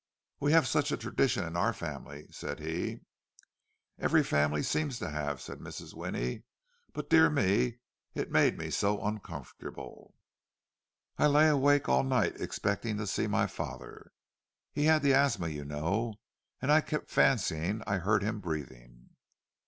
"We have such a tradition in our family," said he. "Every family seems to have," said Mrs. Winnie. "But, dear me, it made me so uncomfortable—I lay awake all night expecting to see my own father. He had the asthma, you know; and I kept fancying I heard him breathing."